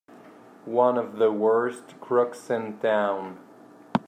One of the worst crooks in town!